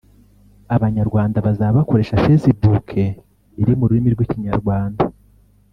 Abanyarwanda bazaba bakoresha Facebook iri mu rurimi rw’ikinyarwanda